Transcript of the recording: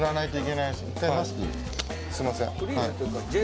すいません。